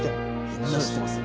みんな知ってます。